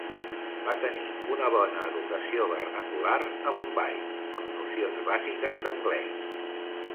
Va tenir una bona educació vernacular a Bombai, amb nocions bàsiques d'anglès.